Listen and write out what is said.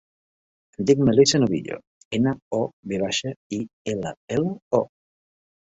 Em dic Melissa Novillo: ena, o, ve baixa, i, ela, ela, o.